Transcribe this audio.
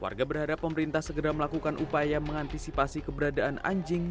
warga berharap pemerintah segera melakukan upaya mengantisipasi keberadaan anjing